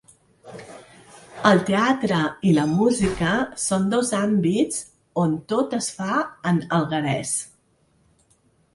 El teatre i la música són dos àmbits on tot es fa en alguerès.